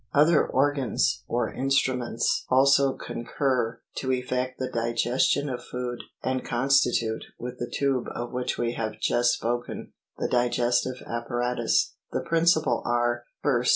Other organs, or instruments, also concur to effect the diges tion of food, and constitute, with the tube of which we have just spoken, the digestive apparatus ; the principal are : 1st.